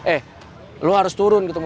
eh lo harus turun gitu